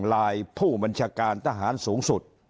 ลายผู้บัญชาการทหารสูงสุด